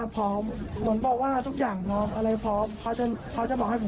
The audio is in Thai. ผมคิดแค่ว่าจัดการให้เสร็จเรื่องมันจะได้อยู่